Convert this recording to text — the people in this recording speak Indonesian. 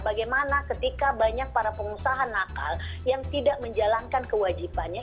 bagaimana ketika banyak para pengusaha nakal yang tidak menjalankan kewajibannya